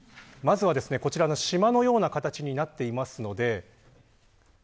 まずはこちらの島のような形になっていますので。